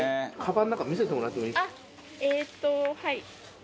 あっえっとはい。